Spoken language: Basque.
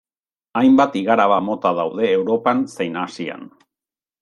Hainbat igaraba mota daude Europan zein Asian.